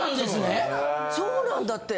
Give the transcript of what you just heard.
そうなんだって。